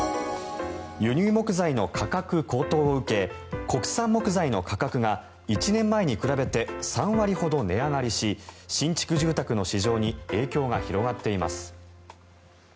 輸入木材の価格高騰を受け国産木材の価格が１年前に比べて３割ほど値上がりし新築住宅の市場に影響が広がっています。